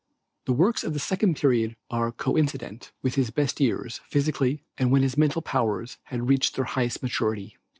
The works of the second period are coincident with his best years physically and when his mental powers had reached their highest maturity.